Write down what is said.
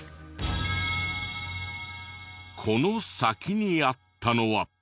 この先にあったのは。